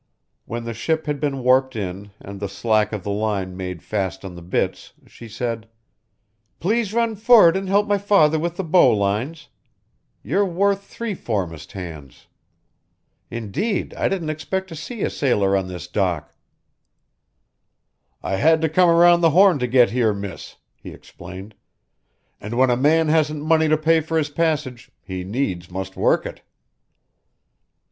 When the ship had been warped in and the slack of the line made fast on the bitts, she said: "Please run for'd and help my father with the bow lines. You're worth three foremast hands. Indeed, I didn't expect to see a sailor on this dock." "I had to come around the Horn to get here, Miss," he explained, "and when a man hasn't money to pay for his passage, he needs must work it."